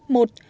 một toàn thể